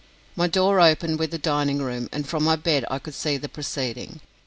My door opened with the dining room, and from my bed I could see the proceeding.